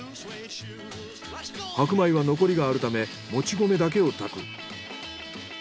白米は残りがあるためもち米だけを炊く。